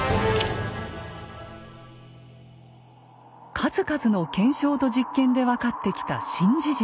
数々の検証と実験で分かってきた新事実。